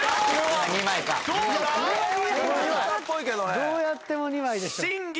どうやっても２枚でしょ。